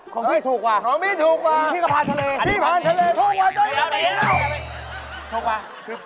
ของพี่ถูกกว่าของพี่ผ่านทะเลแท้